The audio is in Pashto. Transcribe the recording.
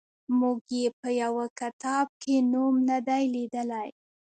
موږ یې په یوه کتاب کې نوم نه دی لیدلی.